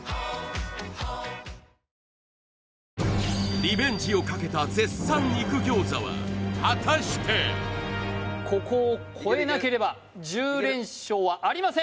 リベンジをかけた絶賛肉餃子は果たしてここを越えなければ１０連勝はありません